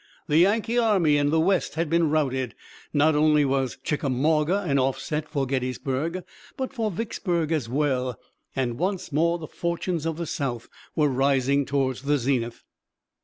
The Yankee army in the West had been routed. Not only was Chickamauga an offset for Gettysburg, but for Vicksburg as well, and once more the fortunes of the South were rising toward the zenith.